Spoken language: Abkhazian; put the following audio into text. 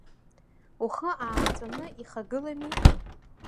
Ухы аахҵәаны ихагылами.